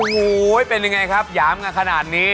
โหเป็นยังไงครับหยามกันคนนี้